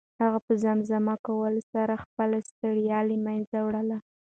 هغه په زمزمه کولو سره خپله ستړیا له منځه وړله.